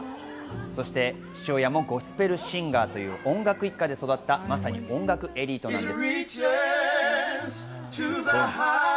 そして父親もゴスペルシンガーという、音楽一家で育った、まさに音楽エリートです。